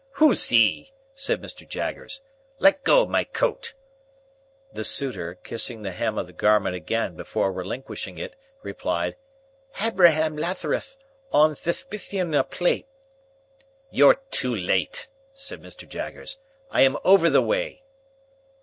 "Who's he?" said Mr. Jaggers. "Let go of my coat." The suitor, kissing the hem of the garment again before relinquishing it, replied, "Habraham Latharuth, on thuthpithion of plate." "You're too late," said Mr. Jaggers. "I am over the way."